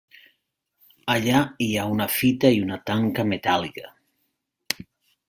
Allà hi ha una fita i una tanca metàl·lica.